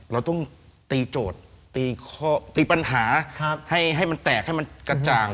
เราต้องตีโจทย์ตีปัญหาให้มันแตกให้มันกระจ่าง